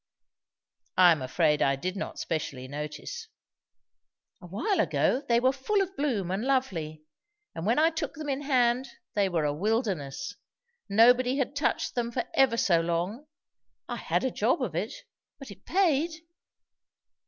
"I am afraid I did not specially notice." "Awhile ago they were full of bloom, and lovely. And when I took them in hand they were a wilderness. Nobody had touched them for ever so long. I had a job of it. But it paid."